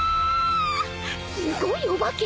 すごいお化け。